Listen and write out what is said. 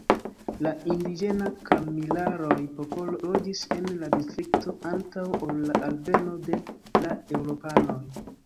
La indiĝena Kamilaroj-popolo loĝis en la distrikto antaŭ ol la alveno de la eŭropanoj.